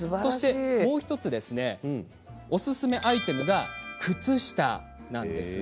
もう１つおすすめアイテムが靴下です。